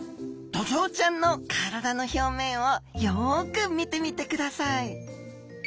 ドジョウちゃんの体の表面をよく見てみてください。